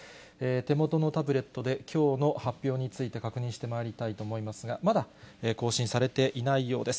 手元のタブレットで、きょうの発表について確認してまいりたいと思いますが、まだ更新されていないようです。